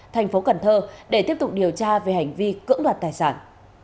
thành phố cần thơ để tiếp tục điều tra về hành vi cưỡng đoạt tài sản